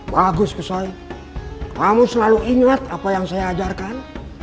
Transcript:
bagus kusoy kamu selalu ingat apa yang saya ajarkan